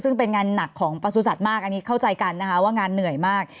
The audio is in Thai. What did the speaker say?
ซึ่งเป็นงานหนักของประสุทธิ์มากอันนี้เข้าใจกันนะคะว่างานเหนื่อยมาก